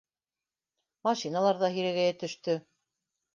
Машиналар ҙа һирәгәйә төштө.